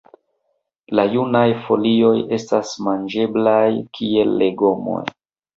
La junaj folioj estas manĝeblaj kiel legomoj.